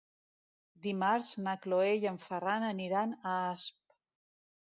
Dimarts na Cloè i en Ferran aniran a Asp.